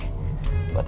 buat nanyain ke bella